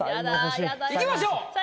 いきましょう。